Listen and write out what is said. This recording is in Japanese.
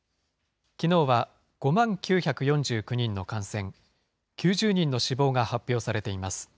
きのうは５万９４９人の感染、９０人の死亡が発表されています。